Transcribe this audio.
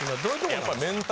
やっぱり。